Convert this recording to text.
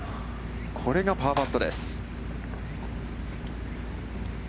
これがパーパットです。